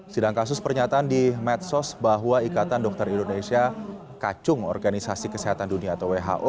sidang kasus pernyataan di medsos bahwa ikatan dokter indonesia kacung organisasi kesehatan dunia atau who